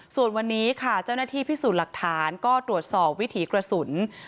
ส่วนวันนี้ค่ะเจ้าหน้าที่พิสูจน์หลักฐานก็ตรวจสอบวิถีกระสุน